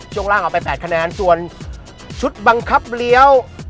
ช่วงล่างเอาไป๘คะแนนส่วนชุดบังคับเลี้ยว